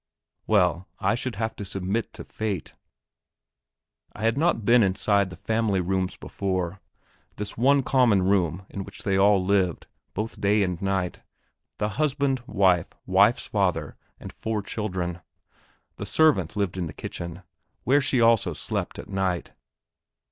Well, I should have to submit to fate. I had not been inside the family rooms before, this one common room in which they all lived, both day and night the husband, wife, wife's father, and four children. The servant lived in the kitchen, where she also slept at night.